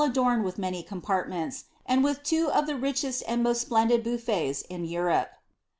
S71 •doraed with many compartments, and with two of the richest and most tplendid beaufets in Europe.